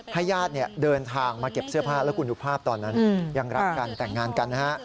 ญาติเดินทางมาเก็บเสื้อผ้าแล้วคุณดูภาพตอนนั้นยังรักกันแต่งงานกันนะฮะ